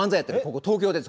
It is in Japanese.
これ東京です。